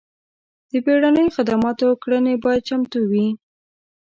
د بیړنیو خدماتو کړنې باید چمتو وي.